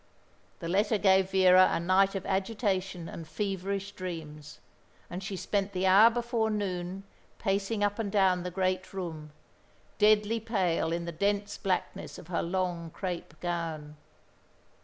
The letter gave Vera a night of agitation and feverish dreams, and she spent the hour before noon pacing up and down the great room, deadly pale in the dense blackness of her long crape gown.